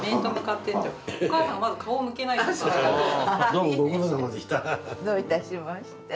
どういたしまして。